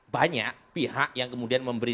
banyak pihak yang kemudian memberi